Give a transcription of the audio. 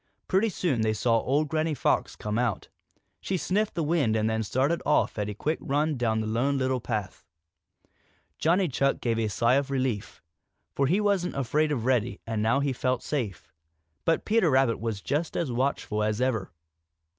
Pretty soon they saw old Granny Fox come out. She sniffed the wind and then she started off at a quick run down the Lone Little Path. Johnny Chuck gave a sigh of relief, for he wasn't afraid of Reddy and now he felt safe. But Peter Rabbit was just as watchful as ever.